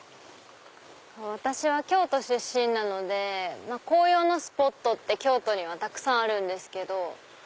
私は京都出身なので紅葉のスポットって京都にはたくさんあるんですけど。